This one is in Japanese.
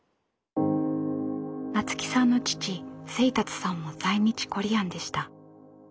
菜津紀さんの父清達さんも在日コリアンでした。